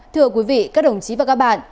thưa quý vị các đồng chí và các bạn